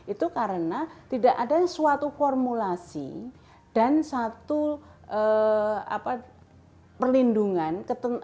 itu karena tidak ada suatu formulasi dan satu perlindungan